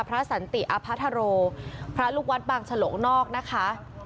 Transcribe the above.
สันติอพัทธโรพระลูกวัดบางฉลงนอกนะคะ